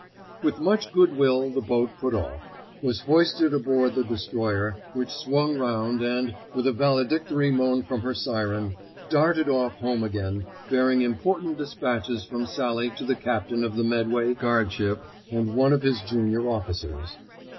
With much goodwill the boat put off, was hoisted aboard the destroyer, which swung round and, with a valedictory moan from her syren, darted off home again bearing important despatches from Sallie to the Captain of the Medway guardship and one of his junior officers.